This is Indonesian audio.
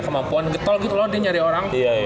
kemampuan getol gitu loh dia nyari orang